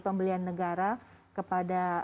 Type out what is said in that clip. pembelian negara kepada